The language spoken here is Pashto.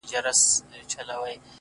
نيت چي دی درسمه او سمه آئينه را واخلم